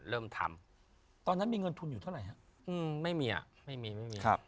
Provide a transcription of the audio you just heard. เริ่มทำตอนนั้นมีเงินทุนอยู่เท่าไหร่ครับ